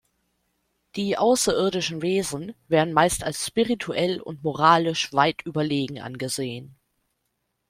Die außerirdischen Wesen werden meist als spirituell und moralisch weit überlegen angesehen.